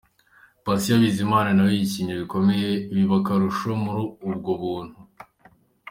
Patient Bizimana na we yishimiwe bikomeye biba akarusho muri 'Ubwo buntu'.